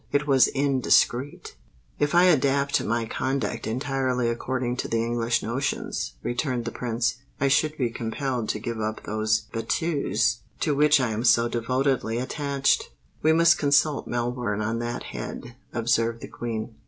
It was indiscreet." "If I adapt my conduct entirely according to the English notions," returned the Prince, "I should be compelled to give up those battues to which I am so devotedly attached." "We must consult Melbourne on that head," observed the Queen.